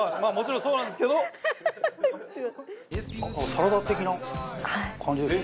サラダ的な感じですね。